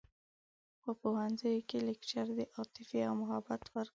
په پوهنځیوکې لکچر د عاطفې او محبت ورکړی